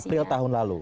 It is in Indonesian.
april tahun lalu